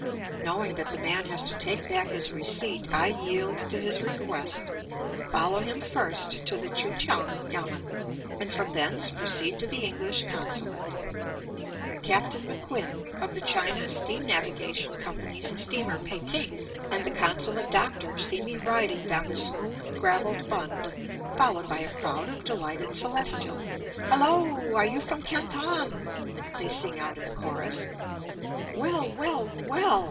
Knowing that the man has to take back his receipt I yield to his request, follow him first to the Kui kiang yamen, and from thence proceed to the English consulate. Captain McQuinn, of the China Steam Navigation Company's steamer Peking, and the consulate doctor see me riding down the smooth gravelled bund, followed by a crowd of delighted Celestials. "Hello! are you from Canton" they sing out in chorus. "Well, well, well!